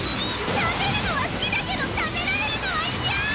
食べるのは好きだけど食べられるのは嫌！